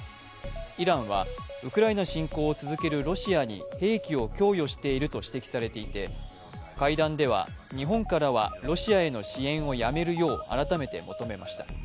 イランはウクライナ侵攻を続けるロシアに兵器を供与していると指摘されていて、会談では、日本からはロシアへの支援をやめるよう改めて求めました。